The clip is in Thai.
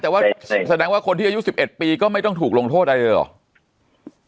แต่ว่าแสดงว่าคนที่อายุ๑๑ปีก็ไม่ต้องถูกลงโทษอะไรเลยเหรอ